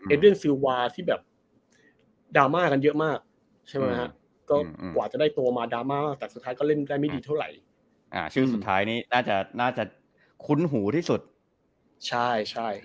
เรื่องซิลวาที่แบบดราม่ากันเยอะมากใช่ไหมฮะก็กว่าจะได้ตัวมาดราม่าแต่สุดท้ายก็เล่นได้ไม่ดีเท่าไหร่อ่าชื่อสุดท้ายนี้น่าจะน่าจะคุ้นหูที่สุดใช่ใช่